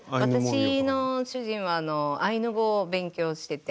私の主人はアイヌ語を勉強してて。